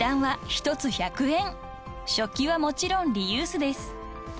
［食器はもちろんリユースです］